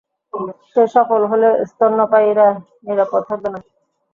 সে সফল হলে স্তন্যপায়ীরা নিরাপদ থাকবে না।